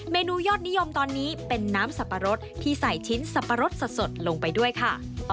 เมนูยอดนิยมตอนนี้เป็นน้ำสับปะรดที่ใส่ชิ้นสับปะรดสดลงไปด้วยค่ะ